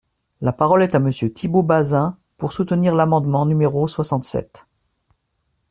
La parole est à Monsieur Thibault Bazin, pour soutenir l’amendement numéro soixante-sept.